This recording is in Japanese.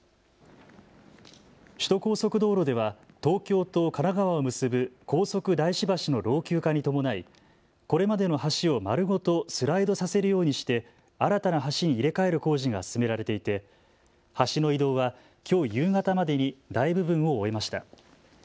首都高速道路では東京と神奈川を結ぶ高速大師橋の老朽化に伴いこれまでの橋を丸ごとスライドさせるようにして新たな橋に入れ替える工事が進められていて、橋の移動はきょう夕方までに大部分を終えました。